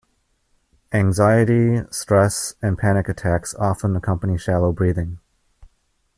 Anxiety, stress, and panic attacks often accompany shallow breathing.